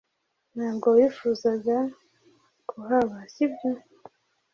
Ntabwo wifuzaga kuhaba, si byo?